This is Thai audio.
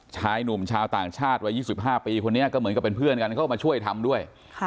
ชายหนุ่มชาวต่างชาติวัย๒๕ปีคนนี้ก็เหมือนกับเป็นเพื่อนกันเข้ามาช่วยทำด้วย